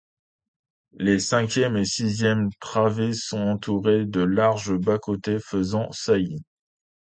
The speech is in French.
Les cinquième et sixième travées sont entourées de larges bas-côtés, faisant saillies.